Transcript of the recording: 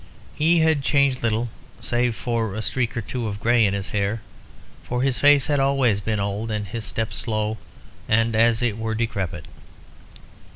He had changed little, save for a streak or two of grey in his hair, for his face had always been old, and his step slow, and, as it were, decrepit.